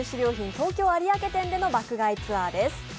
東京有明店での爆買いツアーです。